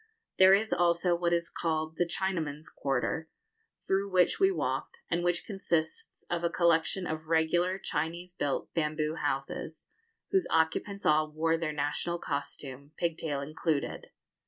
There is also what is called the Chinamen's quarter, through which we walked, and which consists of a collection of regular Chinese built bamboo houses, whose occupants all wore their national costume, pigtail included.